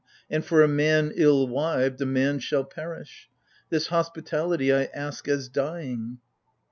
And, for a man ill wived, a man shall perish ! This hospitality I ask as dying.